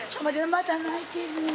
また泣いてるん？